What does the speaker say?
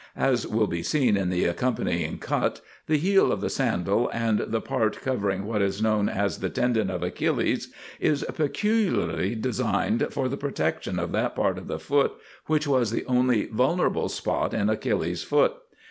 As will be seen in the accompanying cut the heel of the sandal and the part covering what is known as the "tendon of Achilles" is peculiarly designed for the protection of that part of the foot which was the only vulnerable spot in Achilles's foot.